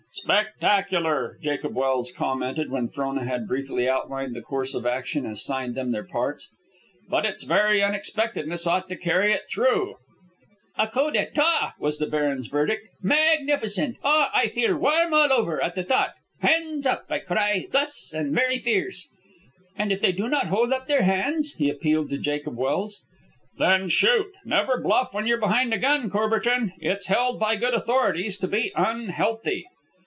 "Spectacular," Jacob Welse commented, when Frona had briefly outlined the course of action and assigned them their parts. "But its very unexpectedness ought to carry it through." "A coup d'etat!" was the Baron's verdict. "Magnificent! Ah! I feel warm all over at the thought. 'Hands up!' I cry, thus, and very fierce. "And if they do not hold up their hands?" he appealed to Jacob Welse. "Then shoot. Never bluff when you're behind a gun, Courbertin. It's held by good authorities to be unhealthy."